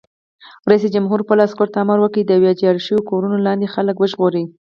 رئیس جمهور خپلو عسکرو ته امر وکړ؛ د ویجاړو شویو کورونو لاندې خلک وژغورئ!